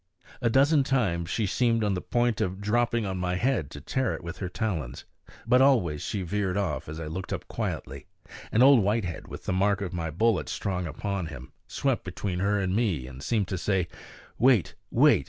A dozen times she seemed on the point of dropping on my head to tear it with her talons; but always she veered off as I looked up quietly, and Old Whitehead, with the mark of my bullet strong upon him, swept between her and me and seemed to say, "Wait, wait.